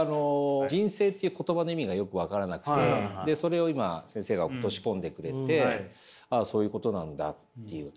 「仁政」っていう言葉の意味がよく分からなくてそれを今先生が落とし込んでくれてああそういうことなんだっていう。